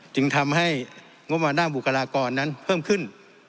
จึงทำให้งบประมาณด้านบุคลากรนั้นเพิ่มขึ้น